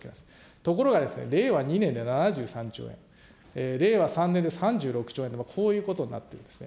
ところがですね、令和２年で７３兆円、令和３年で３６兆円と、こういうことになっていますね。